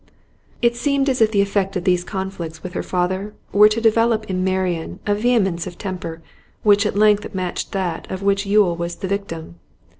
It seemed as if the effect of these conflicts with her father were to develop in Marian a vehemence of temper which at length matched that of which Yule was the victim.